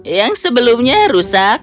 yang sebelumnya rusak